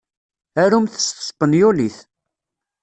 Arumt s tespenyulit.